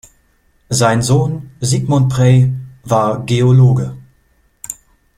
Sein Sohn Siegmund Prey war Geologe.